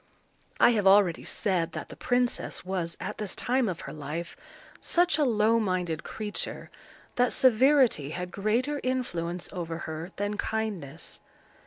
I have already said that the princess was, at this time of her life, such a low minded creature, that severity had greater influence over her than kindness.